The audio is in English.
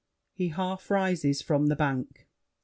[He half rises from the bank.